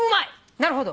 なるほど。